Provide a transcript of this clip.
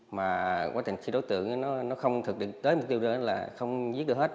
mà quá trình khi đối tượng nó không thực định tới mục tiêu đó là không giết được hết